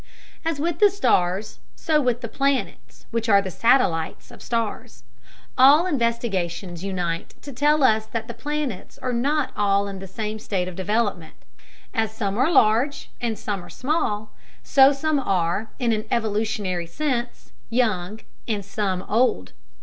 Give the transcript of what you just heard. As with the stars, so with the planets, which are the satellites of stars. All investigations unite to tell us that the planets are not all in the same state of development. As some are large and some small, so some are, in an evolutionary sense, young, and some old.